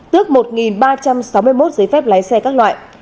tước một ba trăm sáu mươi một giấy phép lái xe các loại